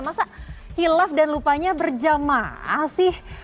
masa hilaf dan lupanya berjamaah sih